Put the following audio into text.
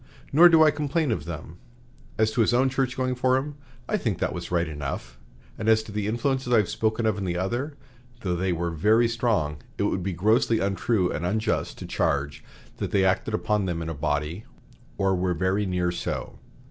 Nor do I complain of them. As to his own church going for him, I think that was right enough, and as to the influences I have spoken of in the other, though they were very strong, it would be grossly untrue and unjust to charge that they acted upon them in a body, or were very near so.